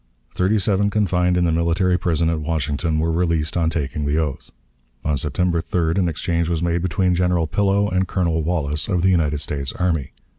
Thirty seven confined in the military prison at Washington were released on taking the oath. On September 3d an exchange was made between General Pillow and Colonel Wallace, of the United States Army.